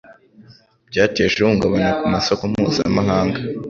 byateje ihungabana ku masoko mpuzamahanga